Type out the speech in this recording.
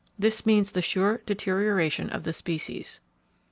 This means the sure deterioration of the species.